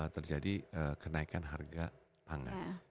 terjadi kenaikan harga pangan